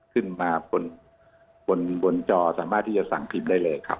ขึ้นมาบนจอสามารถที่จะสั่งพิมพ์ได้เลยครับ